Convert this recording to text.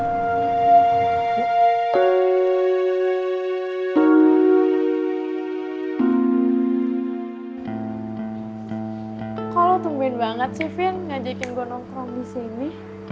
kok lo tumbin banget sih vin ngajakin gue nomprong disini